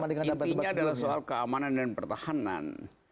adalah soal keamanan dan pertahanan